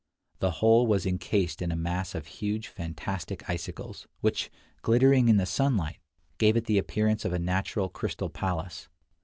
The whole was incased in a mass of huge fantastic icicles, which, glittering in the sunlight, gave it the appearance of a natural crystal palace.